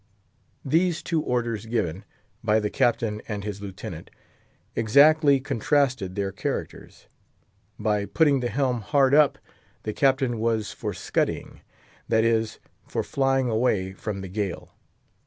These two orders given, by the Captain and his Lieutenant, exactly contrasted their characters. By putting the helm hard up, the Captain was for scudding; that is, for flying away from the gale.